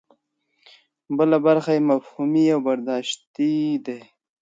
بله برخه یې مفهومي او برداشتي ده.